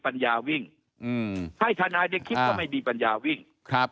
ใครวิ่งให้ทานายในคลิปก็ไม่มีปัญญาวิ่ง